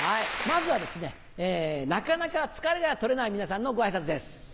まずはですねなかなか疲れが取れない皆さんのご挨拶です。